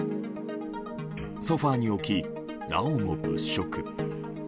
ソファに置き、なおも物色。